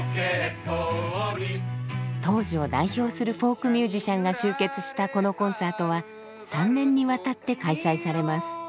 当時を代表するフォークミュージシャンが集結したこのコンサートは３年にわたって開催されます。